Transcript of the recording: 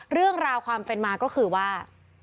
เรื่องราวความเป็นมาก็คือว่า